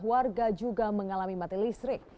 warga juga mengalami mati listrik